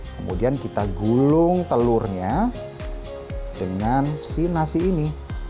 kemudian kita gulung telurnya dengan si nasi ini